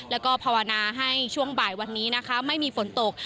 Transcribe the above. แล้วก็ภาวนาให้ช่วงบ่ายวันนี้นะคะไม่มีฝนตก